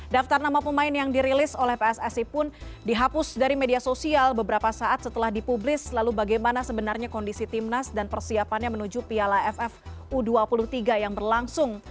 daftar nama pemain yang dirilis oleh pssi pun dihapus dari media sosial beberapa saat setelah dipublis lalu bagaimana sebenarnya kondisi timnas dan persiapannya menuju piala ff u dua puluh tiga yang berlangsung